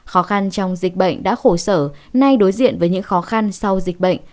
khó khăn trong dịch bệnh đã khổ sở nay đối diện với những khó khăn sau dịch bệnh